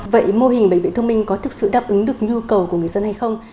vậy mô hình bệnh viện thông minh có thực sự đáp ứng được nhu cầu của người dân hay không